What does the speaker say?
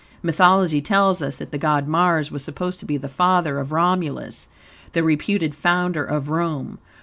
Mythology tells us that the god Mars was supposed to be the father of Romulus, the reputed founder of Rome.